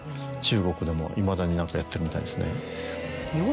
でもいまだにやってるみたいですね。